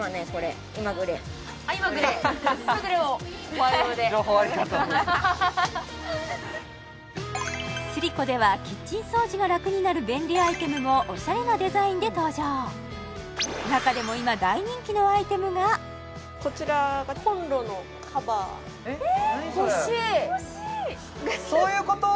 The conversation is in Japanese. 今グレーをご愛用でスリコではキッチン掃除が楽になる便利アイテムもおしゃれなデザインで登場中でも今大人気のアイテムがこちらがそういうこと？